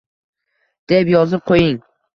Deb yozib qo’ying